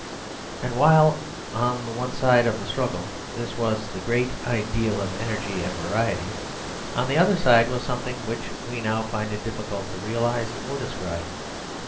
And while on the one side of the struggle was this great ideal of energy and variety, on the other side was something which we now find it difficult to realise or describe.